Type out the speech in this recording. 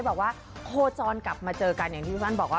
โนร์จรกลับมาเจอกัน